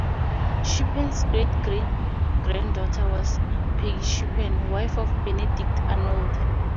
Shippen's great-great-granddaughter was Peggy Shippen, wife of Benedict Arnold.